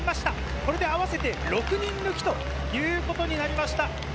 これで合わせて６人抜きということになりました。